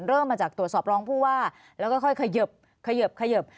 เริ่มมาจากตรวจสอบรองผู้ว่าแล้วก็ค่อยเขยิบ